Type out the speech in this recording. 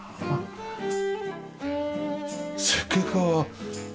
設計家は？